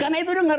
karena itu dengar